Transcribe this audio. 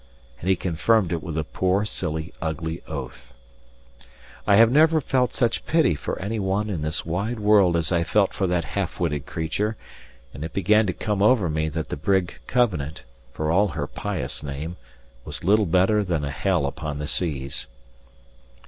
And he confirmed it with a poor, silly, ugly oath. I have never felt such pity for any one in this wide world as I felt for that half witted creature, and it began to come over me that the brig Covenant (for all her pious name) was little better than a hell upon the seas.